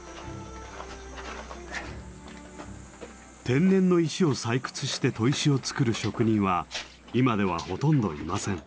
天然の石を採掘して砥石を作る職人は今ではほとんどいません。